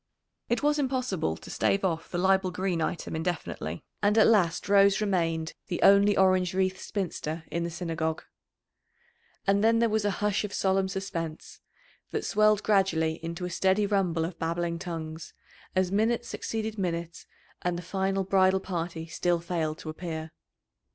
It was impossible to stave off the Leibel Green item indefinitely, and at last Rose remained the only orange wreathed spinster in the Synagogue. And then there was a hush of solemn suspense, that swelled gradually into a steady rumble of babbling tongues as minute succeeded minute and the final bridal party still failed to appear.